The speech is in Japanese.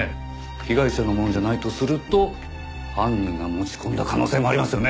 被害者のものじゃないとすると犯人が持ち込んだ可能性もありますよね？